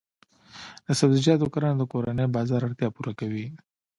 د سبزیجاتو کرنه د کورني بازار اړتیا پوره کوي.